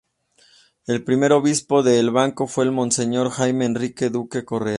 El primer Obispo de El Banco fue Monseñor Jaime Enrique Duque Correa.